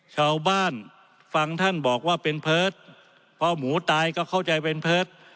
ชาวบ้านฟังท่านบอกว่าเป็นเพิศเพราะหมูตายก็เข้าใจเป็นเพิศ